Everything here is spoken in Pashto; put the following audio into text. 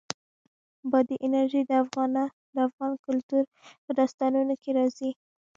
بادي انرژي د افغان کلتور په داستانونو کې راځي.